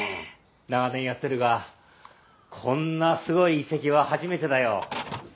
長年やってるがこんなすごい遺跡は初めてだよ。